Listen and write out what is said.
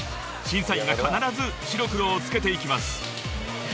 ［審査員が必ず白黒をつけていきます］